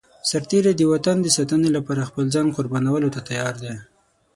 سرتېری د وطن د ساتنې لپاره خپل ځان قربانولو ته تيار دی.